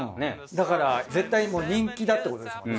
だから絶対もう人気だってことですもんね。